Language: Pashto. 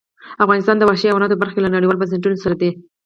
افغانستان د وحشي حیواناتو برخه کې له نړیوالو بنسټونو سره دی.